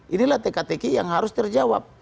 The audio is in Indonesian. inilah tkt yang harus terjawab